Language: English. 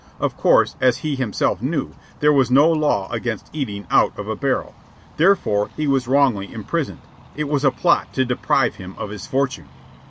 Of course, as he himself knew, there was no law against eating out of a barrel. Therefore he was wrongly imprisoned. It was a plot to deprive him of his fortune.